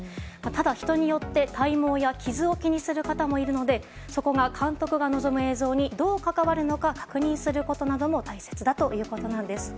ただ、人によって体毛や傷を気にする方もいるのでそこが監督が望む映像にどう関わるのか確認することなども大切だということです。